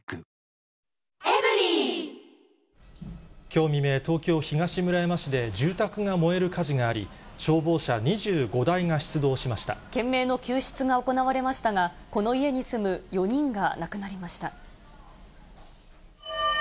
きょう未明、東京・東村山市で、住宅が燃える火事があり、懸命の救出が行われましたが、この家に住む４人が亡くなりました。